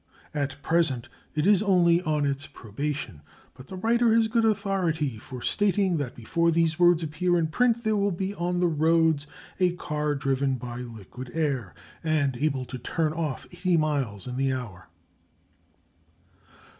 At present it is only on its probation; but the writer has good authority for stating that before these words appear in print there will be on the roads a car driven by liquid air, and able to turn off eighty miles in the hour.